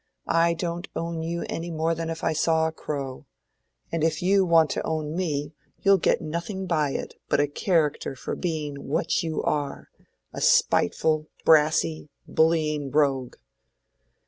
I don't own you any more than if I saw a crow; and if you want to own me you'll get nothing by it but a character for being what you are—a spiteful, brassy, bullying rogue."